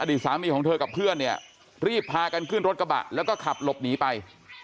สามีของเธอกับเพื่อนเนี่ยรีบพากันขึ้นรถกระบะแล้วก็ขับหลบหนีไป